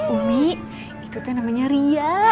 umi itu tuh namanya ria